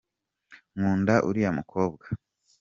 Nkunda uriya mukobwa.